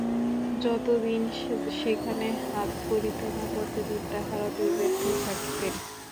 যতদিন সেখানে হাত পড়িত না, ততদিন তাঁহারা দুর্ভেদ্য থাকিতেন।